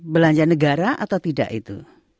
belanja negara atau tidak itu